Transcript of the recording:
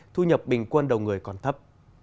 thu nhập bình quân đầu người còn thấp